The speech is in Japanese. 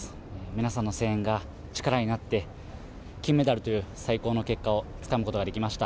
皆さんの声援が力になって金メダルという最高の結果をつかむことができました。